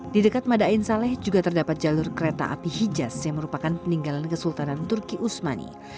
di dekat madain saleh juga terdapat jalur kereta api hijas yang merupakan peninggalan kesultanan turki usmani